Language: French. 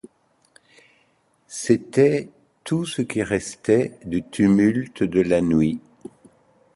C'était tout ce qui restait du tumulte de la nuit.